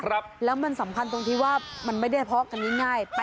ครับแล้วมันสำคัญตรงที่ว่ามันไม่ได้เพาะกันง่าย